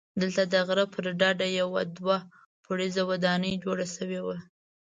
دلته د غره پر ډډه یوه دوه پوړیزه ودانۍ جوړه شوې وه.